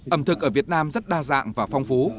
ẩm thực ở việt nam rất đa dạng và phong phú